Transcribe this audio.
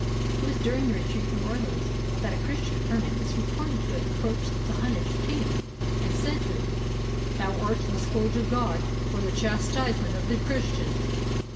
It was during the retreat from Orleans that a Chris tian hermit is reported to have approached the Hunnish king, and said to him, "Thou art the Scourge of God for the chastisement of the Christians."